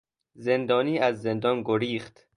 زندانی از زندان گریخت.